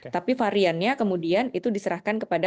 tapi variannya kemudian itu diserahkan kepada